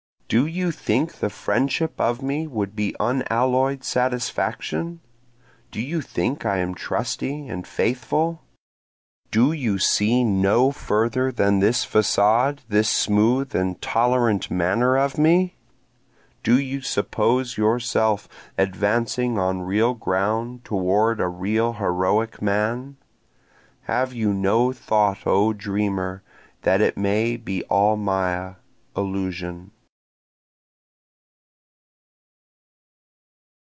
Do you think the friendship of me would be unalloy'd satisfaction? Do you think I am trusty and faithful? Do you see no further than this facade, this smooth and tolerant manner of me? Do you suppose yourself advancing on real ground toward a real heroic man? Have you no thought O dreamer that it may be all maya, illusion?